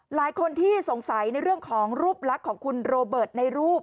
หลายคนที่สงสัยในเรื่องของรูปลักษณ์ของคุณโรเบิร์ตในรูป